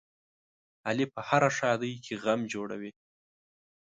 علي په هره ښادۍ کې غم جوړوي.